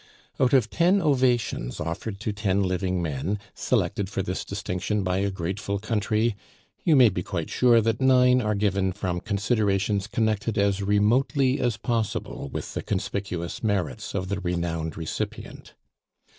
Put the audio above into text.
Out of ten ovations offered to ten living men, selected for this distinction by a grateful country, you may be quite sure that nine are given from considerations connected as remotely as possible with the conspicuous merits of the renowned recipient.